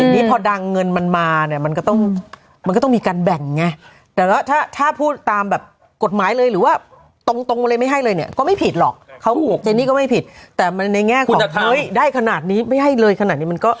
ทีนี้พอดังเงินมันมาเนี่ยมันก็ต้องมันก็ต้องมีการแบ่งไงแต่ก็ถ้าถ้าพูดตามแบบกฎหมายเลยหรือว่าตรงตรงเลยไม่ให้เลยเนี่ยก็ไม่ผิดหรอกเขาถูกเจนี่ก็ไม่ผิดแต่มันในแง่คุณจะเฮ้ยได้ขนาดนี้ไม่ให้เลยขนาดนี้มันก็